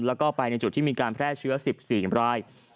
แล้วก็ไปในจุดที่มีการแพร่เชื้อ๑๔ราย